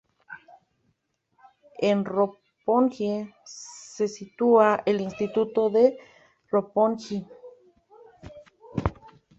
En Roppongi se sitúa el Instituto de Roppongi.